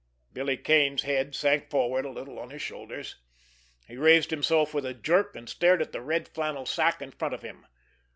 Billy Kane's head sank forward a little on his shoulders. He raised himself with a jerk, and stared at the red flannel sack in front of him.